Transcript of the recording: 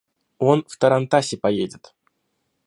Он в тарантасе поедет.